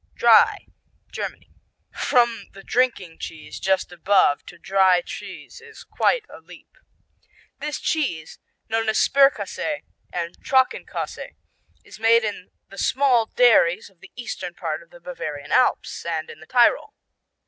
Dry Germany From the drinking cheese just above to dry cheese is quite a leap. "This cheese, known as Sperrkäse and Trockenkäse, is made in the small dairies of the eastern part of the Bavarian Alps and in the Tyrol.